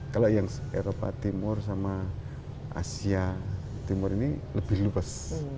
kalau yang eropa timur sama asia timur ini lebih luas